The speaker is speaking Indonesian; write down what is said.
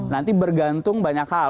nanti bergantung banyak hal